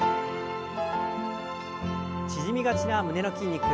縮みがちな胸の筋肉。